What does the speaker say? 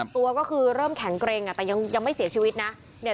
ตัวก็คือเริ่มแข็งเกร็งแต่ยังไม่เสียชีวิตนะ